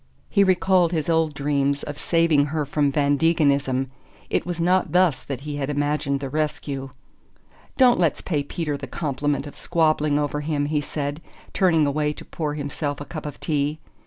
He recalled his old dreams of saving her from Van Degenism it was not thus that he had imagined the rescue. "Don't let's pay Peter the compliment of squabbling over him," he said, turning away to pour himself a cup of tea.